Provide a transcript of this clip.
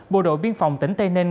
bộ đội biên phòng tỉnh tây ninh